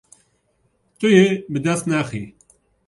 Tu yê bi dest nexî.